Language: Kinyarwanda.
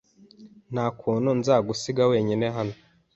Nta kuntu nzagusiga wenyine hano.